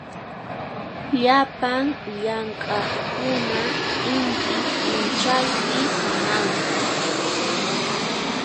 Llapan llamk'aqkuna inti p'unchaypi samanku.